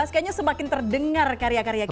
jadi sekarang masih terdengar karya karya kita